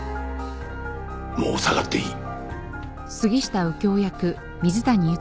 もう下がっていい。